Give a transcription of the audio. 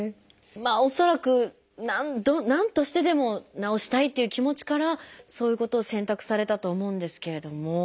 まあ恐らくなんとしてでも治したいという気持ちからそういうことを選択されたと思うんですけれども。